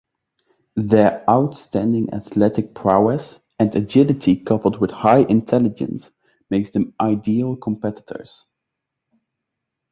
Their outstanding athletic prowess and agility coupled with high intelligence make them ideal competitors.